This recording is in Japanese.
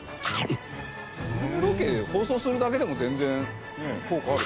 このロケ放送するだけでも全然効果ある。